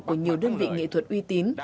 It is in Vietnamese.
của nhiều đơn vị nghệ thuật uy tín